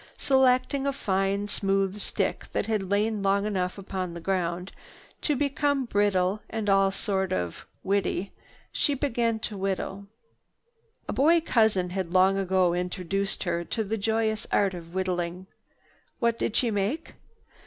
Selecting a fine smooth stick that had lain long enough upon the ground to become brittle and all sort of "whitty," she began to whittle. A boy cousin had long ago introduced her to the joyous art of whittling. What did she make?